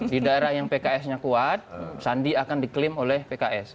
di daerah yang pks nya kuat sandi akan diklaim oleh pks